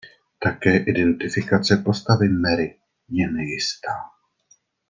Také identifikace postavy Mary je nejistá.